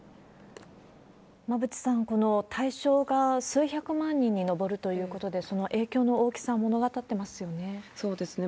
馬渕さん、この対象が数百万人に上るということで、その影響の大きさを物語っていますよね。